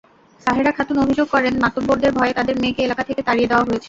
সাহেরা খাতুন অভিযোগ করেন, মাতব্বরদের ভয়ে তাঁদের মেয়েকে এলাকা থেকে তাড়িয়ে দেওয়া হয়েছে।